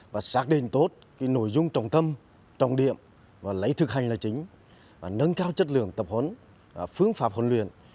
và xác định tốt nội dung trọng tâm trọng điểm và lấy thực hành là chính nâng cao chất lượng tập huấn phương pháp huấn luyện